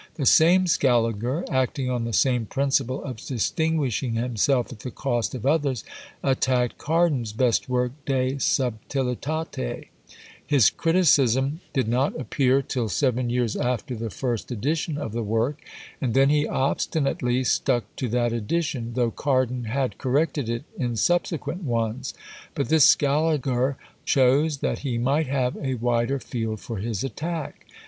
The same Scaliger, acting on the same principle of distinguishing himself at the cost of others, attacked Cardan's best work De Subtilitate: his criticism did not appear till seven years after the first edition of the work, and then he obstinately stuck to that edition, though Cardan had corrected it in subsequent ones; but this Scaliger chose, that he might have a wider field for his attack.